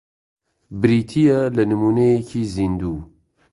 بریتییە لە نموونەیەکی زیندوو